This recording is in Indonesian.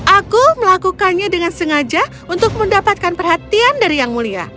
aku melakukannya dengan sengaja untuk mendapatkan perhatian dari yang mulia